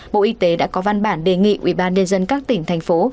bộ y tế đã có văn bản đề nghị ubnd các tỉnh thành phố